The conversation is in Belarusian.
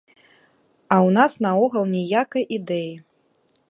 А ў нас наогул ніякай ідэі.